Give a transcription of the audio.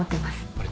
あれ？